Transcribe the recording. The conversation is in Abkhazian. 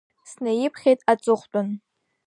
Снеиԥхьеит аҵыхәтәаны.